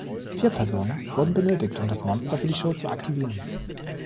Vier Personen wurden benötigt, um das Monster für die Show zu aktivieren.